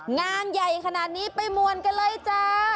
งานใหญ่ขนาดนี้ไปมวลกันเลยจ้า